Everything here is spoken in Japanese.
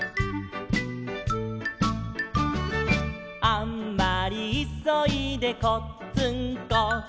「あんまりいそいでこっつんこ」